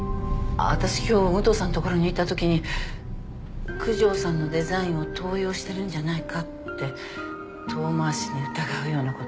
私今日武藤さんところに行ったときに九条さんのデザインを盗用してるんじゃないかって遠回しに疑うようなことを。